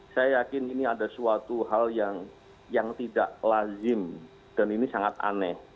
saya yakin ini ada suatu hal yang tidak lazim dan ini sangat aneh